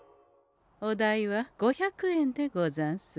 お代は５００円でござんす。